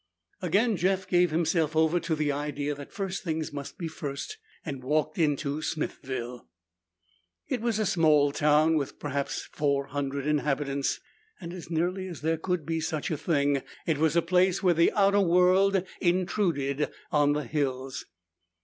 Again Jeff gave himself over to the idea that first things must be first and walked into Smithville. It was a small town, with perhaps four hundred inhabitants, and as nearly as there could be such a thing, it was a place where the outer world intruded on the hills.